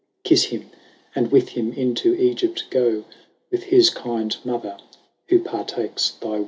Kiffe him, and with him into Egypt goe, With his kinde mother, who partakes thy woe.